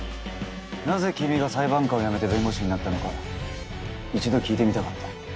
なぜ君が裁判官を辞めて弁護士になったのか一度聞いてみたかった。